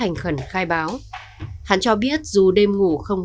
hãy đăng ký kênh để ủng hộ kênh của mình nhé